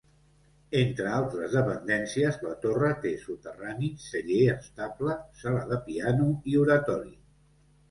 Entre altres dependències, la torre té soterrani, celler, estable, sala de piano i oratori.